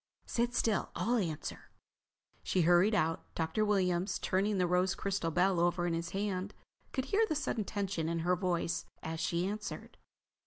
"Sit still, I'll answer." She hurried out. Dr. Williams, turning the rose crystal bell over in his hand, could hear the sudden tension in her voice as she answered.